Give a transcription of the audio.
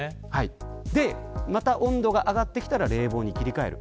また温度が上がってきたら冷房に切り替える。